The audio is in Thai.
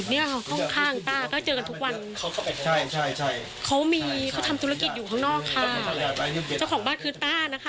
ซึ่งไม่เกี่ยวอะไรกับเครื่องสำอางเลย